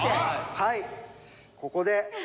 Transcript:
はいここで。